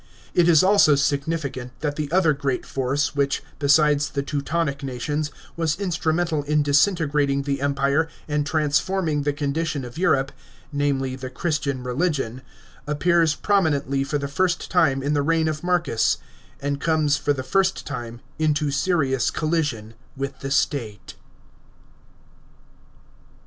It is also significant that the other i eat t«>rce, which, besides the Teutonic nations, \\as ins' rumen al i i d^inte^ra'ing the Empire and transforming the condition of E impo, namrly the Christian religion, appears promiiiHntly for the first time in the reun of Marcus, and comes for the first time into serious collision with the state.